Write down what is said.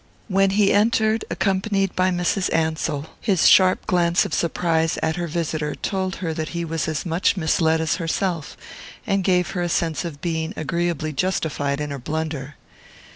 When he entered, accompanied by Mrs. Ansell, his sharp glance of surprise at her visitor told her that he was as much misled as herself, and gave her a sense of being agreeably justified in her blunder.